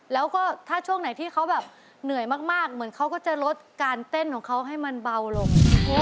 แล้วก็ถ้าช่วงไหนที่เขาแบบเหนื่อยมากเหมือนเขาก็จะลดการเต้นของเขาให้มันเบาลง